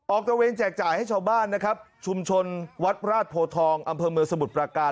ตะเวนแจกจ่ายให้ชาวบ้านนะครับชุมชนวัดราชโพทองอำเภอเมืองสมุทรประการ